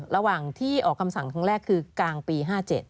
ระหว่างที่ออกคำสั่งครั้งแรกคือกลางปี๕๗